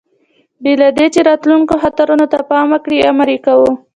بې له دې، چې راتلونکو خطرونو ته پام وکړي، امر یې کاوه.